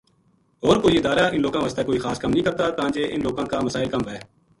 ہور کوئی ادارہ اِنھ لوکاں واسطے کوئی خاص کم نیہہ کرتا تاں جے اِنھ لوکاں کا مسائل کم وھے